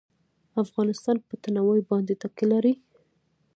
افغانستان په تنوع باندې تکیه لري.